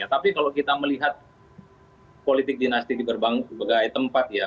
tapi kalau kita melihat politik dinasti di berbagai tempat ya